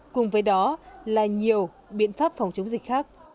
cùng với đó là nhiều biện pháp phòng chống dịch khác